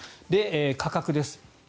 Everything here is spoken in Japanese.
価格です。